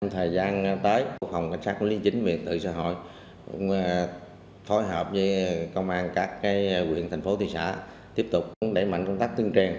thời gian tới phòng cảnh sát liên chính miền tự xã hội cũng phối hợp với công an các quyền thành phố thị xã tiếp tục để mạnh công tác tương trang